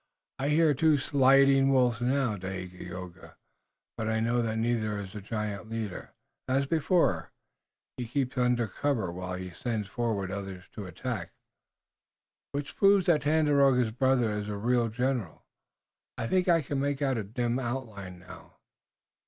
I hear two sliding wolves now, Dagaeoga, but I know that neither is the giant leader. As before, he keeps under cover, while he sends forward others to the attack." "Which proves that Tandakora's brother is a real general. I think I can make out a dim outline now.